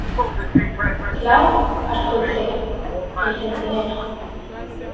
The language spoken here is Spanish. Clarke, Arthur C. "El Centinela".